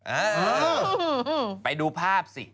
เออไปดูภาพสิ